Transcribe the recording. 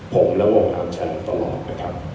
ผมและวงอัมแชนตลอดนะครับ